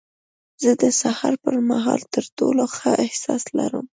زه د سهار پر مهال تر ټولو ښه احساس لرم.